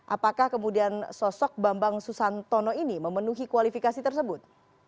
apakah kemudian sosok bambang susantono ini memenuhi kualifikasi tersebut